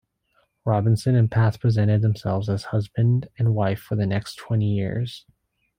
Robinson and Path presented themselves as husband and wife for the next twenty years.